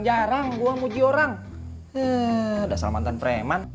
jarang gue muji orang orang poorer